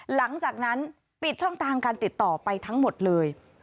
หลังจากนั้นปิดช่องทางการติดต่อไปทั้งหมดเลย